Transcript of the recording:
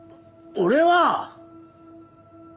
俺は！